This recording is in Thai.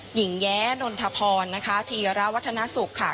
หญิงแย้นนทพรนะคะธีระวัฒนสุขค่ะ